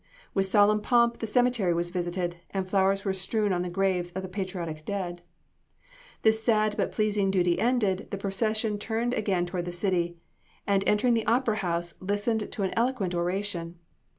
With solemn pomp the cemetery was visited, and flowers were strewn on the graves of the patriotic dead. This sad but pleasing duty ended, the procession turned again toward the city, and entering the Opera House, listened to an eloquent oration.